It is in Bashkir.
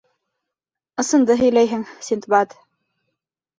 — Ысынды һөйләйһең, Синдбад.